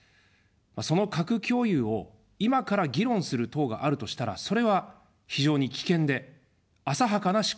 その核共有を今から議論する党があるとしたら、それは非常に危険で、浅はかな思考だと思います。